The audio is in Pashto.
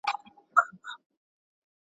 او ملي سرود `